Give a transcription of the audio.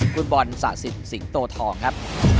คุณบ่นสาธิตสิงห์โตทองครับ